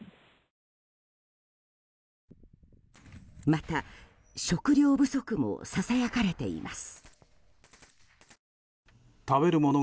また、食料不足もささやかれています。